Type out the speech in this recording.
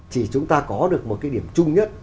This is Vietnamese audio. thì chúng ta có được một cái điểm chung nhất